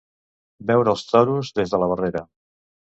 Veure els toros des de la barrera.